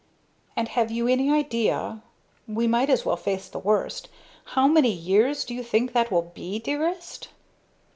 "And have you any idea we might as well face the worst how many years do you think that will be, dearest?"